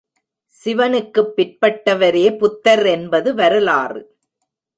சினனுக்குப் பிற்பட்டவரே புத்தர் என்பது வரலாறு.